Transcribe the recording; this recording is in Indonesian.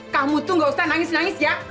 kamu tuh gak usah nangis nangis ya